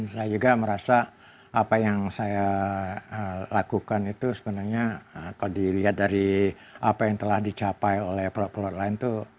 saya juga merasa apa yang saya lakukan itu sebenarnya kalau dilihat dari apa yang telah dicapai oleh pelaut pelaut lain itu